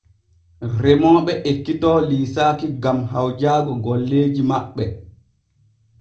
Remooɓe ekkito liisaaki gam hawjaago golleeji maɓɓe.